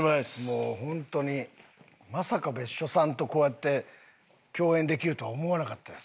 もう本当にまさか別所さんとこうやって共演できるとは思わなかったです。